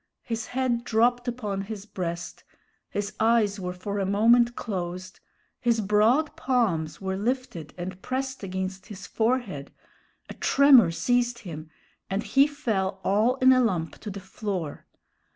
His head dropped upon his breast, his eyes were for a moment closed, his broad palms were lifted and pressed against his forehead, a tremor seized him, and he fell all in a lump to the floor.